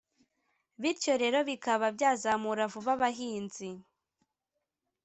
bityo rero bikaba byazamura vuba abahinzi.